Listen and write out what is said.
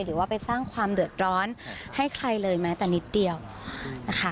หรือว่าไปสร้างความเดือดร้อนให้ใครเลยแม้แต่นิดเดียวนะคะ